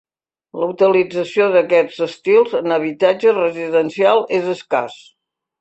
La utilització d'aquest estil en habitatges residencials és escàs.